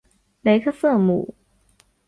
雷克瑟姆。